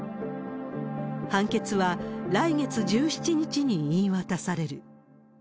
判決は来月１７日に言い渡される。